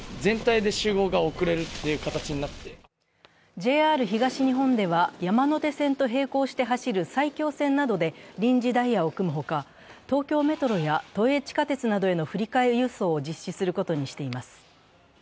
ＪＲ東日本では山手線と並行して走る埼京線などで臨時ダイヤを組むほか、東京メトロや都営地下鉄などへの振り替え輸送を実施することにしています。